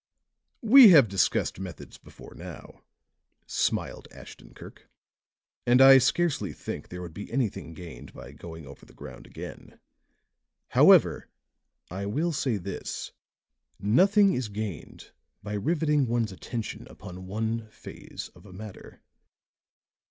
"We have discussed methods before now," smiled Ashton Kirk, "and I scarcely think there would be anything gained by going over the ground again. However, I will say this. Nothing is gained by riveting one's attention upon one phase of a matter.